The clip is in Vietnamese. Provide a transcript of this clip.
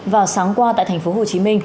vào sáng qua tại tp hcm